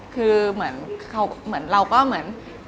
คือเหมือนเราก็เหมือน